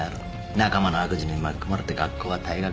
仲間の悪事に巻き込まれて学校は退学。